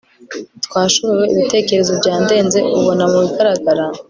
twashobewe ibitekerezo byandenze ubona mu bigaragara